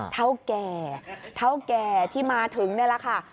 เท่าแก่ที่มาถึงนี่แหละค่ะ